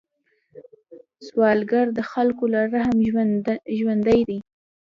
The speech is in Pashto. سوالګر د خلکو له رحم ژوندی دی